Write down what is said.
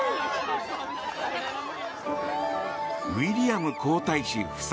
ウィリアム皇太子夫妻。